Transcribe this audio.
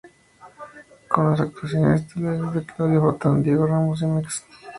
Con las actuaciones estelares de Claudia Fontán, Diego Ramos y Mex Urtizberea.